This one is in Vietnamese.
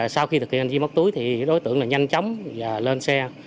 sau khi thực hiện hành vi móc túi đối tượng nhanh chóng lên xe